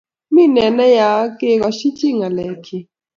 mii nee ni yak kegoshi chii ngelek chi